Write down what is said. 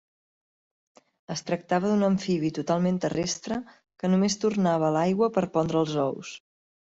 Es tractava d'un amfibi totalment terrestre que només tornava a l'aigua per pondre els ous.